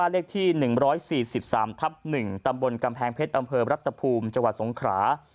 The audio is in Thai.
เลขที่๑๔๓ทับ๑ตำบลกำแพงเพชรอำเภอรัฐภูมิจังหวัดสงขรา